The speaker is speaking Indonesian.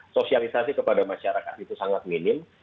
sosialisasi kepada masyarakat itu sangat minim